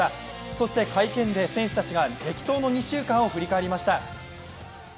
そして会見で選手たちが激闘の２週間を振り返りました。